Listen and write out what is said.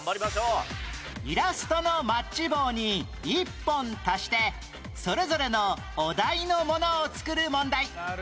イラストのマッチ棒に１本足してそれぞれのお題のものを作る問題